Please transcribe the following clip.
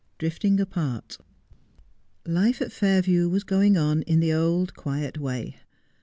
DRIFTING APART. Life at Fairview was going on in the old, quiet way.